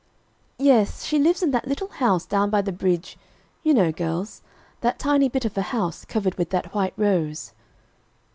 "Yes, she lives in that little house down by the bridge, you know, girls, that tiny bit of a house covered with that white rose."